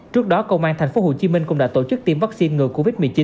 trước đó công an tp hcm cũng đã tổ chức tiêm vaccine ngừa covid một mươi chín